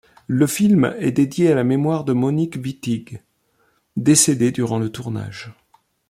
Le film est dédié à la mémoire de Monique Wittig, décédée durant le tournage.